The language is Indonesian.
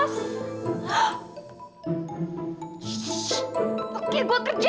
shh oke gue kerja